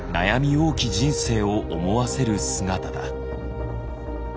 多き人生を思わせる姿だ。